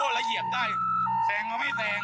แสงกว่าไม่แสง